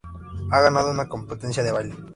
Ha ganado una competición de baile.